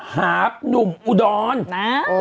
หาบหนุ่มอุดรน